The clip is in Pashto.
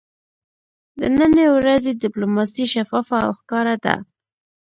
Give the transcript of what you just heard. د ننی ورځې ډیپلوماسي شفافه او ښکاره ده